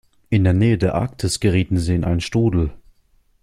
In der Nähe der Arktis gerieten sie in einen Strudel.